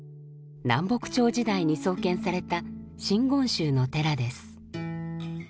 南北朝時代に創建された真言宗の寺です。